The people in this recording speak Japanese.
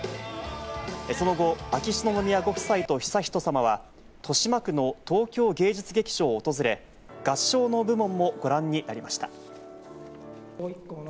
その後、秋篠宮ご夫妻と悠仁さまは豊島区の東京芸術劇場を訪れ、合唱の部門もご覧になりました。